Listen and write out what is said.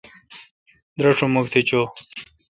دراشوم مکھ تہ چو۔